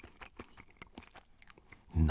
何？